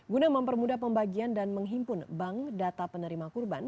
guna mempermudah pembagian dan menghimpun bank data penerima kurban